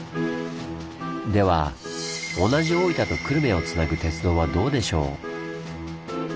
では同じ大分と久留米をつなぐ鉄道はどうでしょう？